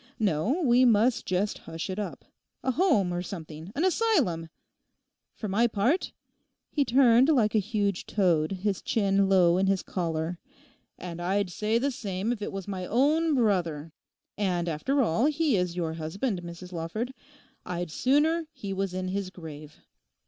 No, we must just hush it up—a home or something; an asylum. For my part,' he turned like a huge toad, his chin low in his collar—'and I'd say the same if it was my own brother, and, after all, he is your husband, Mrs Lawford—I'd sooner he was in his grave.